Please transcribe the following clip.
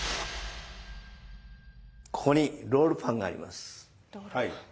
ここにロールパンがあります。